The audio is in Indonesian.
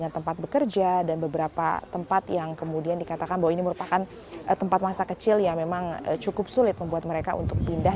tempat bekerja dan beberapa tempat yang kemudian dikatakan bahwa ini merupakan tempat masa kecil yang memang cukup sulit membuat mereka untuk pindah